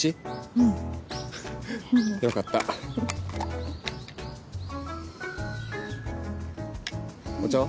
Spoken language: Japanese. うんよかったお茶は？